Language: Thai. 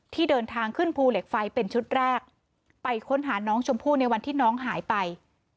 เดินทางขึ้นภูเหล็กไฟเป็นชุดแรกไปค้นหาน้องชมพู่ในวันที่น้องหายไป